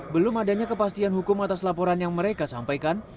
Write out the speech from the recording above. belum adanya kepastian hukum atas laporan yang mereka sampaikan